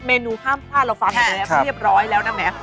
นูห้ามพลาดเราฟังอยู่แล้วเรียบร้อยแล้วนะแหม